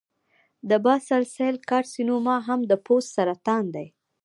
د باسل سیل کارسینوما هم د پوست سرطان دی.